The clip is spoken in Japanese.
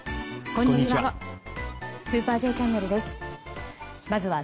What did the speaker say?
こんにちは。